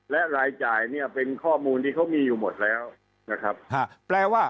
และรายจ่ายเป็นข้อมูลที่เขามีอยู่หมดแล้ว